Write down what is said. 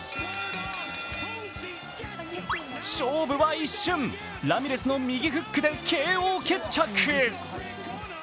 勝負は一瞬、ラミレスの右フックでＫＯ決着。